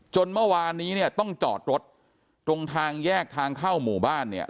เมื่อวานนี้เนี่ยต้องจอดรถตรงทางแยกทางเข้าหมู่บ้านเนี่ย